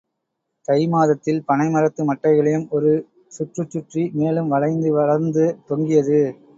தை மாதத்தில், பனைமரத்து மட்டைகளையும் ஒரு சுற்றுச்சுற்றி மேலும் வளைந்து வளர்ந்து தொங்கியது.